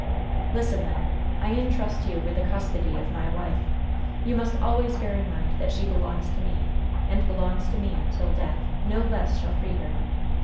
"Listen, then. I intrust you with the custody of my wife. You must always bear in mind that she belongs to me, and belongs to me until death; no less shall free her!